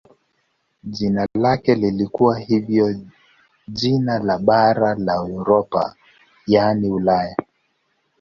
Jina lake lilikuwa hivyo jina la bara la Europa yaani Ulaya.